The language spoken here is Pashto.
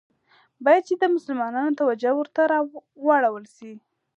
باید چي د مسلمانانو توجه ورته راوړوله سي.